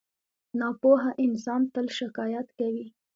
• ناپوهه انسان تل شکایت کوي.